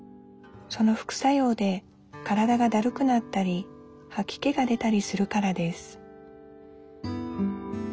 その副作用で体がだるくなったりはき気が出たりするからです